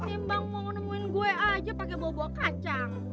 timbang mau nemuin gue aja pake bobo kacang